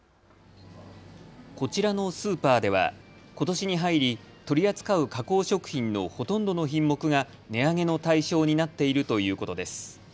こちらのスーパーではことしに入り取り扱う加工食品のほとんどの品目が値上げの対象になっているということです。